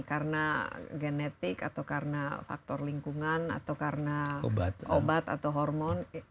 karena genetik atau karena faktor lingkungan atau karena obat atau hormon